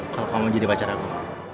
kalau kamu jadi pacar aku